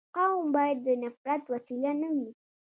قوم باید د نفرت وسیله نه وي.